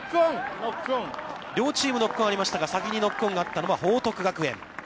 両チーム、ノックオンがありましたが、先にノックオンがあったのは報徳学園。